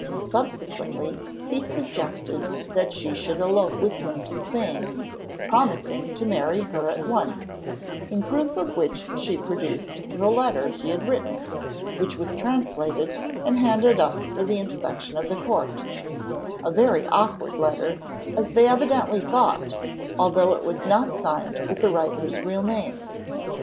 Subsequently he suggested that she should elope with him to Spain, promising to marry her at once, in proof of which she produced the letter he had written, which was translated and handed up for the inspection of the court—a very awkward letter, as they evidently thought, although it was not signed with the writer's real name.